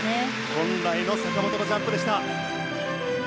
本来の坂本のジャンプでした。